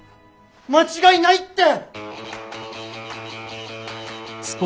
間違いないって！